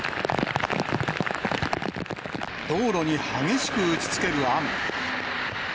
道路に激しく打ちつける雨。